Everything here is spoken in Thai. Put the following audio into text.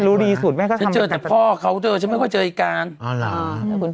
รู้ดีสุดแม่ก็ขั้นเจอแต่พ่อเขาเถอะไม่ค่อยเจอไอ้การเอ๋าเหรอ